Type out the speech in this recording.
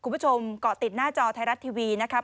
คุณผู้ชมเกาะติดหน้าจอไทยรัฐทีวีนะครับ